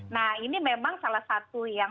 nah ini memang salah satu yang